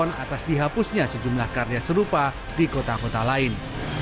korban atas dihapusnya sejumlah karya serupa di kota kota lain